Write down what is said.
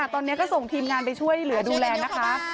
ตอนนี้ก็ส่งทีมงานไปช่วยเหลือดูแลนะคะ